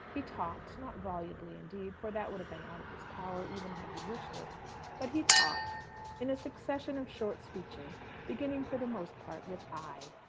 He talked not volubly, indeed: for that would have been out of his power, even had he wished it, but he talked in a succession of short speeches, beginning for the most part with "I."